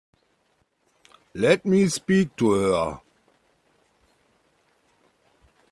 Let me speak to her.